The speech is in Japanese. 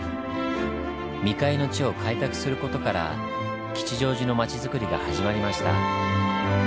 未開の地を開拓する事から吉祥寺のまちづくりが始まりました。